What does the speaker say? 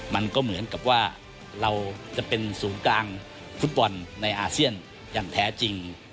มันก็เหมือนกับว่าเราจะเป็นศูนย์กลางฟุตบอลในอาเซียนอย่างแท้จริง